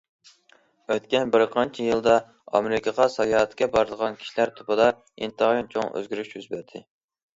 ئۆتكەن بىر قانچە يىلدا ئامېرىكىغا ساياھەتكە بارىدىغان كىشىلەر توپىدا ئىنتايىن چوڭ ئۆزگىرىش يۈز بەردى.